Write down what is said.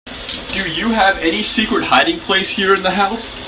Do you have any secret hiding place here in the house?